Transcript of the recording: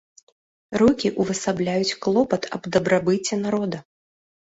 Рукі ўвасабляюць клопат аб дабрабыце народа.